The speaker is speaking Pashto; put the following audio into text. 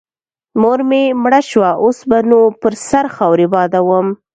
مور مې مړه سوه اوس به نو پر سر خاورې بادوم.